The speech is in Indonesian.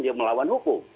dia melawan hukum